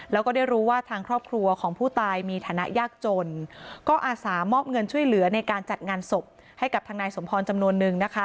แล้วก็ได้รู้ว่าทางครอบครัวของผู้ตายมีฐานะยากจนก็อาสามอบเงินช่วยเหลือในการจัดงานศพให้กับทางนายสมพรจำนวนนึงนะคะ